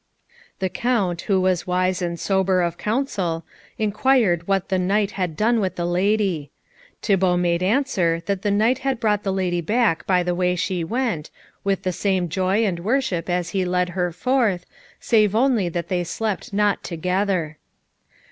The Count, who was wise and sober of counsel, inquired what the knight had done with the lady. Thibault made answer that the knight had brought the lady back by the way she went, with the same joy and worship as he led her forth, save only that they slept not together.